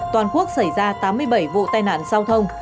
toàn quốc xảy ra tám mươi bảy vụ tai nạn giao thông